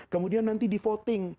kemudian nanti di voting